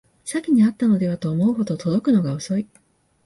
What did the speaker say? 詐欺にあったのではと思うほど届くのが遅い